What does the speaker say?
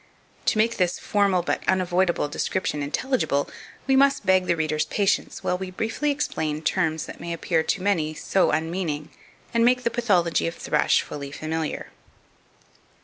To make this formal but unavoidable description intelligible, we must beg the reader's patience while we briefly explain terms that may appear to many so unmeaning, and make the pathology of thrush fully familiar.